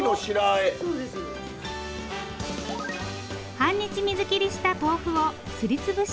半日水切りした豆腐をすり潰し。